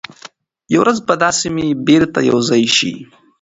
یوه ورځ به دا سیمي بیرته یو ځای شي.